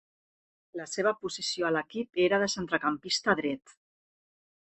La seva posició a l'equip era de centrecampista dret.